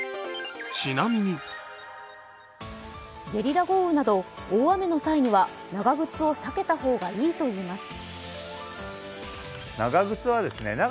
ゲリラ豪雨など大雨の際には長靴を避けた方がいいといいます。